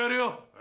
え？